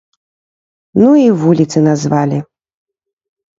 Ну і вуліцы назвалі.